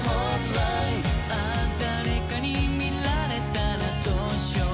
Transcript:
「Ａｈ誰かにみられたらどうしよう」「」